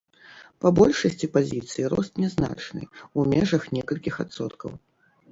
Па большасці пазіцый рост нязначны, у межах некалькіх адсоткаў.